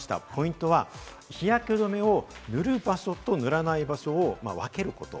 ポイントは日焼け止めを塗る場所と塗らない場所を分けること。